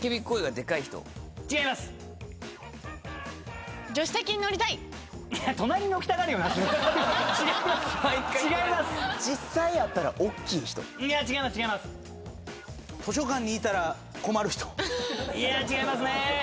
いや違いますね。